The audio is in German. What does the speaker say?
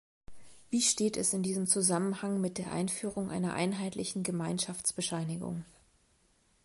Wie steht es in diesem Zusammenhang mit der Einführung einer einheitlichen Gemeinschaftsbescheinigung?